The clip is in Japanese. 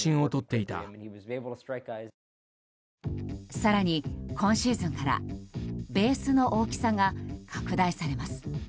更に、今シーズンからベースの大きさが拡大されます。